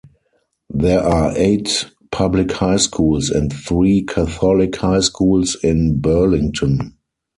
There are eight public high schools and three Catholic high schools in Burlington.